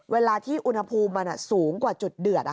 เวลาที่อุณหภูมิมันสูงกว่าจุดเดือด